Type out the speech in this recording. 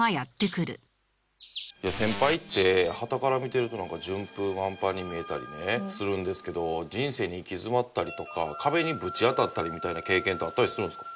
先輩ってはたから見てるとなんか順風満帆に見えたりねするんですけど人生に行き詰まったりとか壁にぶち当たったりみたいな経験ってあったりするんですか？